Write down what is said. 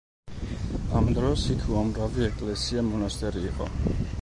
ამ დროს იქ უამრავი ეკლესია-მონასტერი იყო.